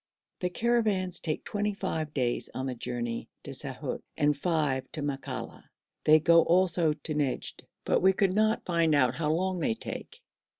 The caravans take twenty five days on the journey to Saihut, and five to Makalla; they go also to Nejd, but we could not find out how long they take.